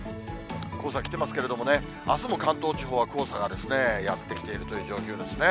黄砂来てますけれどもね、あすも関東地方は黄砂がやって来ているという状況ですね。